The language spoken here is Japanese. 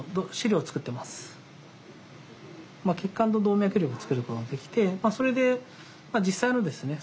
血管の動脈瘤を作ることができてそれで実際のですね